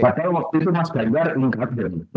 padahal waktu itu mas ganjar mengungkapkan